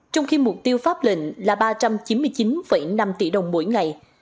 trong khi mục tiêu pháp lệnh là ba trăm chín mươi chín năm tỷ đồng mỗi ngày